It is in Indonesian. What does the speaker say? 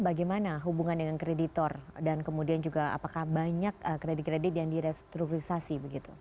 bagaimana hubungan dengan kreditor dan kemudian juga apakah banyak kredit kredit yang direstrukturisasi begitu